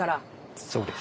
そうです。